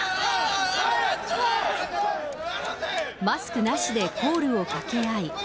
マスクなしでコールを掛け合い。